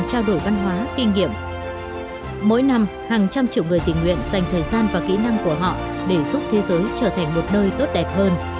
mỗi năm hàng trăm triệu người tình nguyện dành thời gian và kỹ năng của họ để giúp thế giới trở thành một nơi tốt đẹp hơn